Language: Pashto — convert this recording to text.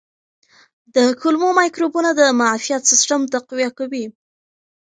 د کولمو مایکروبونه د معافیت سیستم تقویه کوي.